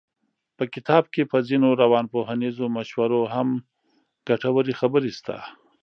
په کتاب کې په ځينو روانپوهنیزو مشورو هم ګټورې خبرې شته.